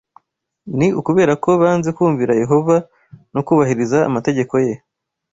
Ni ukubera ko banze kumvira Yehova no kubahiriza amategeko ye